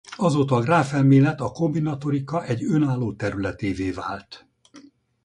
Azóta a gráfelmélet a kombinatorika egy önálló területévé vált.